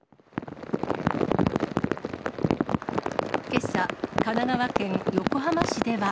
けさ、神奈川県横浜市では。